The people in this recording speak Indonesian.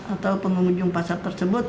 atau pengunjung pasar tersebut